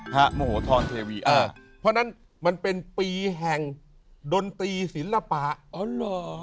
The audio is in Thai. เพราะนั้นมันเป็นปีแห่งดนตรีศิลปะอ๋อหรอ